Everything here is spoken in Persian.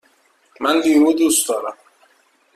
من لیمو دوست دارم.